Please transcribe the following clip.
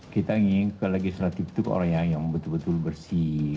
kita ingin ke legislatif itu orang yang betul betul bersih